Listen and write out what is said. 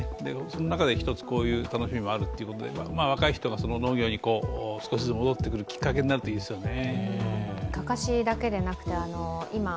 その中で一つこういう楽しみもあるっていうことで若い人が農業に少しずつ戻ってくるきっかけになるといいですよね。